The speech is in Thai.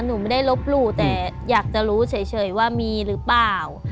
หนูไม่ได้ลบหลู่แต่อยากจะรู้เฉยว่ามีหรือเปล่า